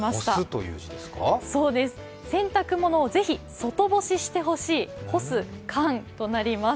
洗濯物をぜひ外干ししてほしい、干す「カン」となります。